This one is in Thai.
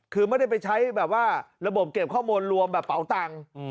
คือไม่ได้ไปใช้แบบว่าระบบเก็บข้อมูลรวมแบบเป๋าตังค์